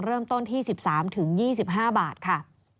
เริ่มต้นที่๑๓๒๕บาทค่ะ